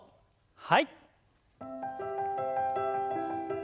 はい。